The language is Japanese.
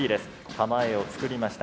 構えを作りました。